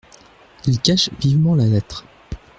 Il cache vivement la lettre.